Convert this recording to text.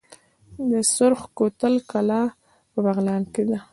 د سرخ کوتل کلا په بغلان کې ده